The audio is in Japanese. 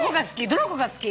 どの子が好き？